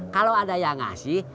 kalau ada yang ngasih